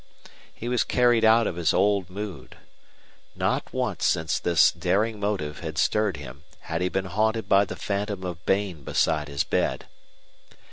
He was carried out of his old mood. Not once since this daring motive had stirred him had he been haunted by the phantom of Bain beside his bed.